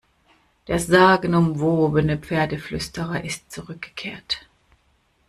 Der sagenumwobene Pferdeflüsterer ist zurückgekehrt!